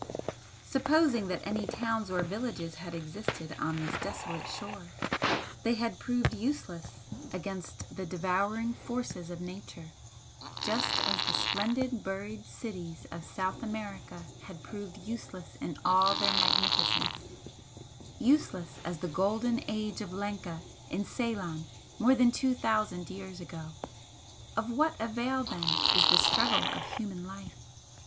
Supposing that any towns or villages had ever existed on this desolate shore, they had proved useless against the devouring forces of Nature, just as the splendid buried cities of South America had proved useless in all their magnificence, useless as the 'Golden Age of Lanka' in Ceylon more than two thousand years ago. Of what avail then is the struggle of human life?